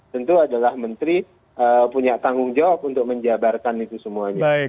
tentu adalah menteri punya tanggung jawab untuk menjabarkan itu semuanya